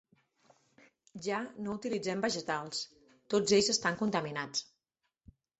Ja no utilitzem vegetals, tots ells estan contaminats.